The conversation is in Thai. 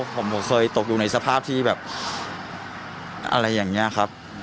ผมเคยตกอยู่ในสภาพที่แบบอะไรอย่างนี้ครับ